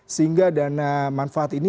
sehingga dana manfaat ini